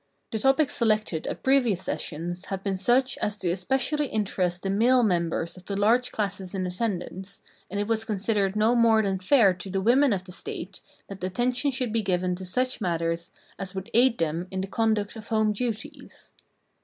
The topics selected at previous sessions had been such as to especially interest the male members of the large classes in attendance, and it was considered no more than fair to the women of the State that attention should be given to such matters as would aid them in the conduct of home duties.